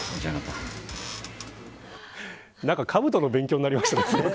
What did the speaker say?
何か、かぶとの勉強になりましたね。